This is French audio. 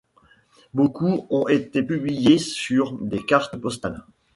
Beaucoup ont été publiés sur des cartes postales.